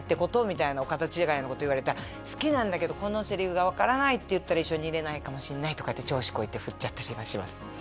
みたいなお門違いのこと言われたら「好きなんだけどこのセリフが分からないって言ったら」「一緒にいれないかもしんない」とかって調子こいて振っちゃったりはしますね